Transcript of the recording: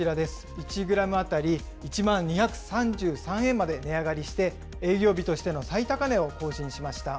１グラム当たり１万２３３円まで値上がりして、営業日としての最高値を更新しました。